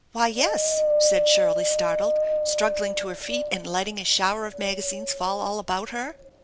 " Why, yes/' said Shirley, startled, struggling to her feet and letting a shower of magazines fall all about her.